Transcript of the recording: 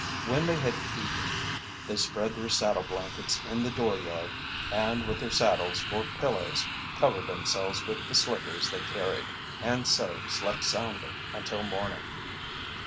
When they had eaten, they spread their saddle blankets in the dooryard and with their saddles for pillows covered themselves with the slickers they carried and so slept soundly until morning.